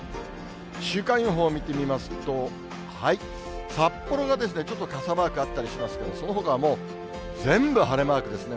週間予報見てみますと、札幌がちょっと傘マークあったりしますけど、そのほかは、もう全部晴れマークですね。